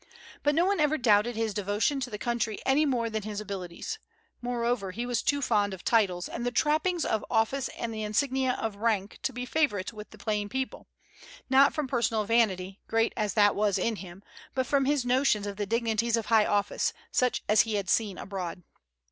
But no one ever doubted his devotion to the country any more than his abilities. Moreover, he was too fond of titles, and the trappings of office and the insignia of rank, to be a favorite with plain people, not from personal vanity, great as that was in him, but from his notions of the dignities of high office, such as he had seen abroad.